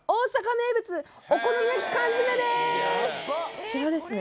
こちらですね。